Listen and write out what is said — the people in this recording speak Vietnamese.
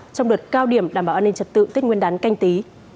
trong đợt cao điểm đảm bảo an ninh trật tự tích nguyên đán canh tí